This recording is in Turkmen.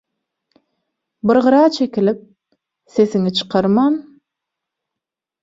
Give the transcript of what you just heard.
Bir gyra çekilip, sesiňi çykarman